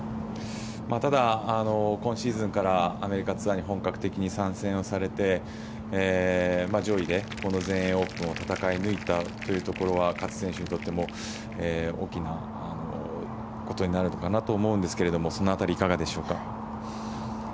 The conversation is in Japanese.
ただ、今シーズンからアメリカツアーに本格的に参戦をされて上位でこの全英オープンを戦い抜いたというのは勝選手にとっても大きなことになるのかなと思うんですがその辺り、いかがでしょうか。